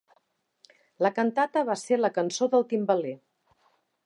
La cantata va ser la "Cançó del timbaler".